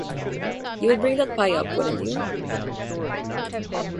You would bring that pie up, wouldn't you?